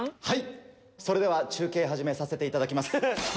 はいそれでは中継始めさせていただきます。